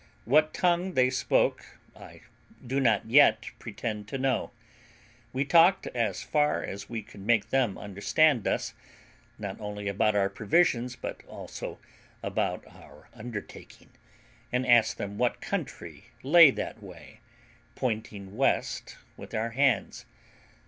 What tongue they spoke I do not yet pretend to know. We talked as far as we could make them understand us, not only about our provisions, but also about our undertaking, and asked them what country lay that way, pointing west with our hands.